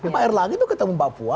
pak erlang itu ketemu papua